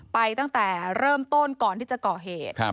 ไปตั้งแต่เริ่มต้นก่อนที่จะก่อเหตุ